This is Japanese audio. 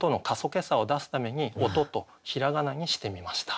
けさを出すために「おと」と平仮名にしてみました。